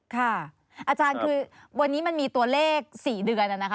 อาจารย์คือวันนี้มันมีตัวเลข๔เดือนนะคะ